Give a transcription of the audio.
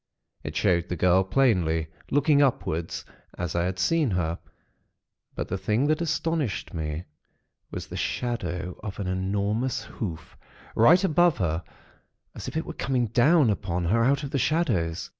It showed the girl plainly, looking upward, as I had seen her; but the thing that astonished me, was the shadow of an enormous hoof, right above her, as if it were coming down upon her out of the shadows.